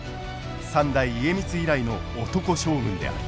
三代家光以来の男将軍である。